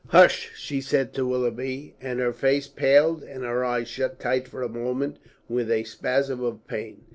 "Hush!" she said to Willoughby, and her face paled and her eyes shut tight for a moment with a spasm of pain.